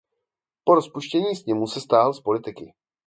Po rozpuštění sněmu se stáhl z politiky.